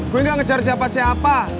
gue gak ngejar siapa siapa